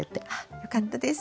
よかったです。